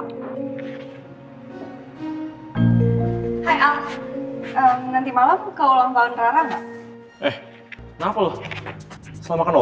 karena semua orang udah liat wajah asli lo